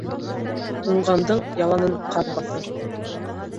Уңғандың яланын ҡар баҫыр